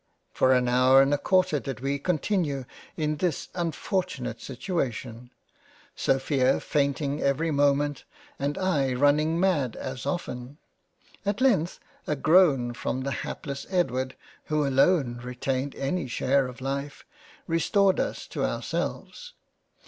For an Hour and a Quarter did we continue in this unfortunate situation — Sophia fainting every moment and I running mad as often. At length a groan from the hapless Edward (who alone re tained any share of life) restored us to ourselves.